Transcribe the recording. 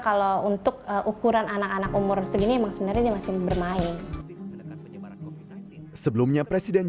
kalau untuk ukuran anak anak umur segini emang sendiri dia masih bermain sebelumnya presiden